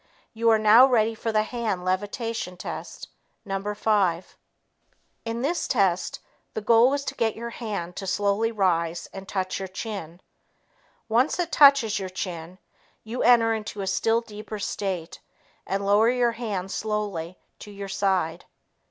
You are now ready for the hand levitation test No. 5. In this test, the goal is to get your hand to slowly rise and touch your chin. Once it touches your chin, you enter into a still deeper state and lower your hand slowly to your side.